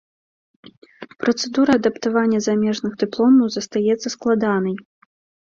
Працэдура адаптавання замежных дыпломаў застаецца складанай.